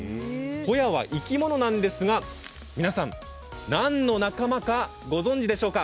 ホヤは生き物なんですが、皆さん何の仲間かご存じでしょうか？